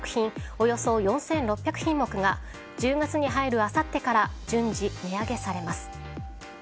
およそ４６００品目が１０月に入るあさってから順次、値上げされます。